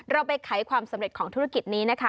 เราไปไขความสำเร็จของธุรกิจนี้นะคะ